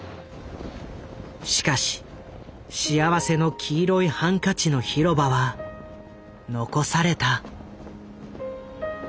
しかし「幸福の黄色いハンカチ」のひろばは残された。